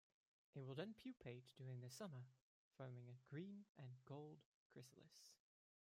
It will then pupate during the summer, forming a green and gold chrysalis.